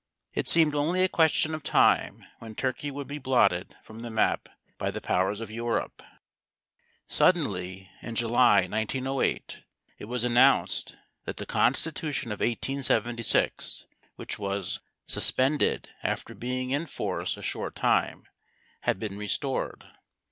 It seemed only a question of time when Turkey would be blotted from the map by the powers of Europe. Suddenly in July, 1908, it was announced that the constitution of 1876, which was "suspended" after being in force a short time, had been restored.